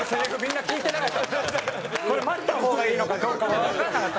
これ待った方がいいのかどうかわからなかった。